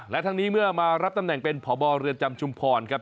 และทั้งนี้เมื่อมารับตำแหน่งเป็นพบเรือนจำชุมพรครับ